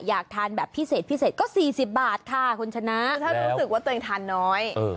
อยากทานแบบพิเศษพิเศษก็๔๐บาทค่ะคุณชนะถ้ารู้สึกว่าตัวเองทานน้อย